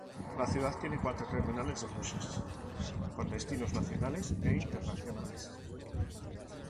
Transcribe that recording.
La ciudad tiene cuatro terminales de buses con destinos nacionales e internacionales.